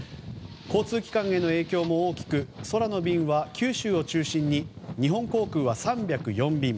交通機関への影響も大きく空の便は九州を中心に日本航空は３０４便